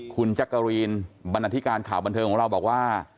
คุณจักรีนบรรณาธิการข่าวบันเทิงของเราบอกว่า